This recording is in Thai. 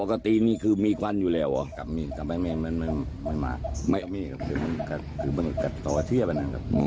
คือมันกัดต่อเทียบนะครับ